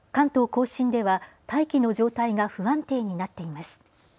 甲信では大気の状態が不安定になっています。